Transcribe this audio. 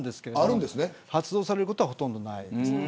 ただ、発動されることはほとんどないです。